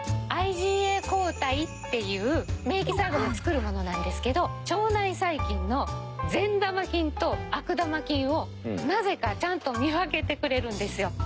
ＩｇＡ抗体っていう免疫細胞を作るものなんですけど腸内細菌の善玉菌と悪玉菌をなぜかちゃんと見分けてくれるんですよ。